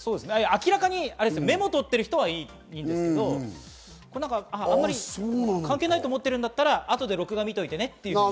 明らかにメモ取ってる人はいいんですけど、あまり関係ないと思ってるんだったら、あとで録画見といてねっていう。